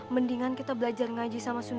mendingan kita belajar ngaji sama sunda